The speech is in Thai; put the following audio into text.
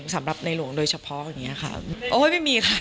สำหรับในลวงโดยเฉพาะแบบนี้ค่ะโอ้ยไม่มีค่ะ